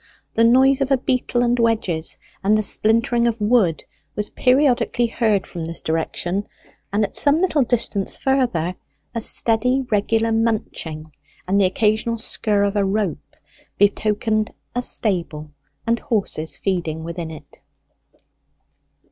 The noise of a beetle and wedges and the splintering of wood was periodically heard from this direction; and at some little distance further a steady regular munching and the occasional scurr of a rope betokened a stable, and horses feeding within it.